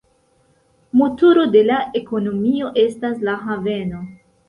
Motoro de la ekonomio estas la haveno.